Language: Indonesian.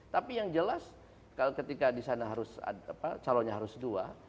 tapi yang jelas ketika di sana harus calonnya harus dua